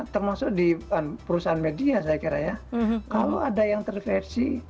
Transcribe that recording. termasuk di perusahaan media saya kira ya kalau ada yang terversi